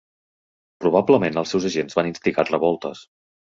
Probablement els seus agents van instigar revoltes.